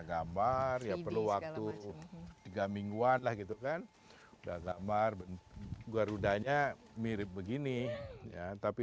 gambar ya perlu waktu tiga mingguan lah gitu kan udah gambar garudanya mirip begini ya tapi